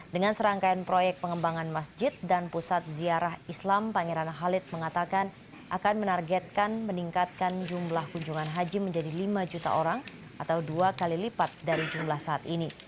dengan serangkaian proyek pengembangan masjid dan pusat ziarah islam pangeran khalid mengatakan akan menargetkan meningkatkan jumlah kunjungan haji menjadi lima juta orang atau dua kali lipat dari jumlah saat ini